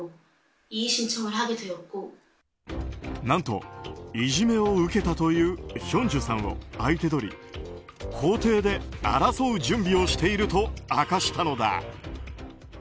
何と、いじめを受けたというヒョンジュさんを相手取り法廷で争う準備をしていると明かしたのだ。